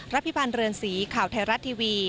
พิพันธ์เรือนสีข่าวไทยรัฐทีวี